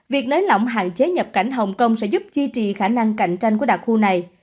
việc nới lỏng hạn chế nhập cảnh hồng kông sẽ giúp duy trì khả năng cạnh tranh của đặc khu này